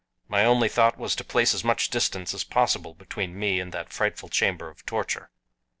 My only thought was to place as much distance as possible between me and that frightful chamber of torture.